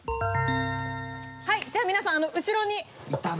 はいじゃあ皆さん後ろにいたなぁ。